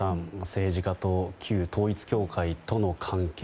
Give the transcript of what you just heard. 政治家と旧統一教会との関係